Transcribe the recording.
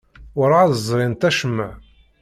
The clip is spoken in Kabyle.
Werɛad ẓrint acemma.